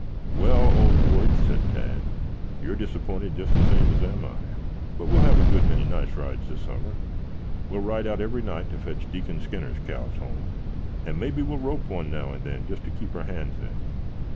"Well, old boy," said Tad, "you are disappointed just the same as am I. But we'll have a good many nice rides this summer. We'll ride out every night to fetch Deacon Skinner's cows home, and maybe we'll rope one now and then just to keep our hands in.